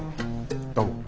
どうも。